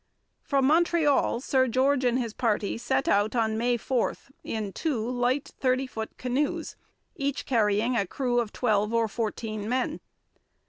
From Montreal Sir George and his party set out on May 4 in two light thirty foot canoes, each carrying a crew of twelve or fourteen men.